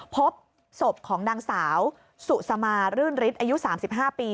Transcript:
พบศพของนางสาวสุสมารื่นฤทธิ์อายุ๓๕ปี